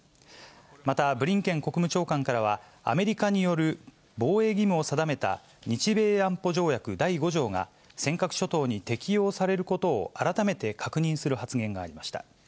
またブリンケン国務長官からは、アメリカによる防衛義務を定めた日米安保条約第５条が、尖閣諸島に適用されることを改めて確認する発言がありました。